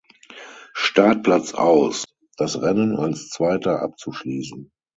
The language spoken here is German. Startplatz aus, das Rennen als Zweiter abzuschließen.